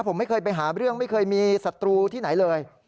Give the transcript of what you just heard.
ผมไม่เคยไปหาเรื่องไม่เคยมีศัตรูที่ไหนเลย